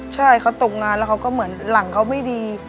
ใช่เขาตกงานแล้วเขาก็เหมือนหลังเขาไม่ดี